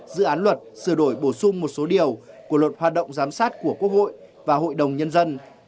dự án luật sửa đổi bổ sung một số điều của luật hoạt động giám sát của quốc hội và hội đồng nhân dân